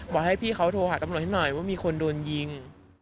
บอกให้พี่เขาโทรอย่างหน่อยนี่มีคนโดนยิง